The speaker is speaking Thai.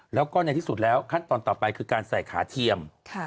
แล้วก็ในที่สุดแล้วขั้นตอนต่อไปคือการใส่ขาเทียม